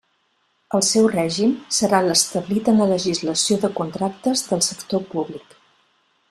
El seu règim serà l'establit en la legislació de contractes del sector públic.